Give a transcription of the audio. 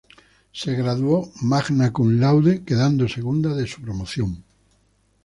Se graduó "magna cum laude", quedando segunda de su promoción.